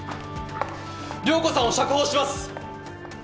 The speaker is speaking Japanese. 遼子さんを釈放します！